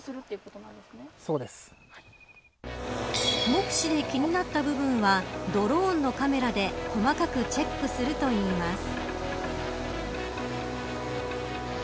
目視で気なった部分はドローンのカメラで細かくチェックするといいます。